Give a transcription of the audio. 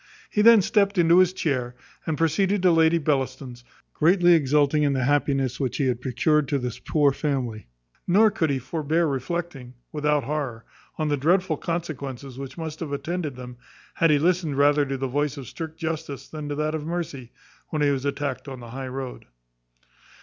He then stept into his chair, and proceeded to Lady Bellaston's, greatly exulting in the happiness which he had procured to this poor family; nor could he forbear reflecting, without horror, on the dreadful consequences which must have attended them, had he listened rather to the voice of strict justice than to that of mercy, when he was attacked on the high road.